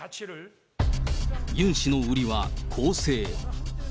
ユン氏の売りは公正。